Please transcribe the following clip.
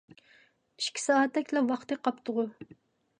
ئىككى سائەتتەكلا ۋاقتى قاپتىغۇ؟